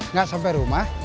nggak sampai rumah